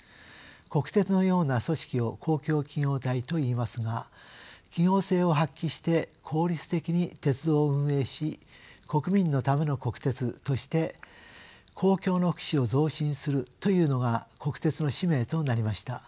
国鉄のような組織を公共企業体といいますが企業性を発揮して効率的に鉄道を運営し国民のための国鉄として公共の福祉を増進するというのが国鉄の使命となりました。